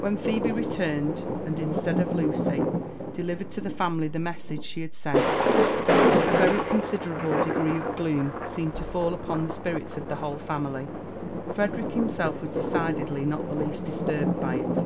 When Phebe returned, and instead of Lucy, delivered to the family the message she had sent, a very consideraMe degree ol gloom seemed J JON^TH^y JWFWSaif wanxAw. .«l« to fall upon the spirits of the whole family. Frederick himself was decidedly not the least disturbed by it.